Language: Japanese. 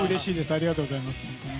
ありがとうございます。